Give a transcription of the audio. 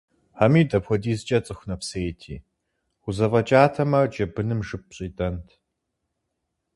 Хьэмид апхуэдизкӏэ цӏыху нэпсейти, хузэфӏэкӏатэмэ, джэбыным жып щӏидэнт.